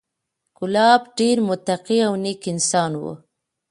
کلاب ډېر متقي او نېک انسان و،